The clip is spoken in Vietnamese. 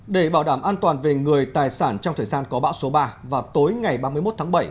để bảo đảm an toàn về người tài sản trong thời gian có bão số ba vào tối ngày ba mươi một tháng bảy